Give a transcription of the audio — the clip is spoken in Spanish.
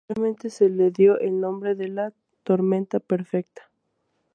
Posteriormente se le dio el nombre de "la tormenta perfecta".